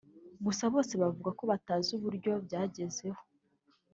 Gusa bose bavuga ko batazi uburyo byabagezeho